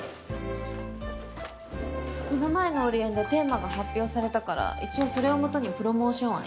この前のオリエンでテーマが発表されたから一応それをもとにプロモーション案